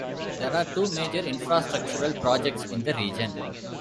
There are two major infrastructural projects in the region.